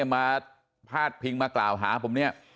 มาพาดพิงมากล่าวหาผมเนี่ย